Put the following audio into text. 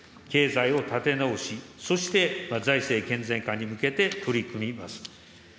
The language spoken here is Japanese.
経済を立て直し、そして、財政健全化に向けて取り組みます。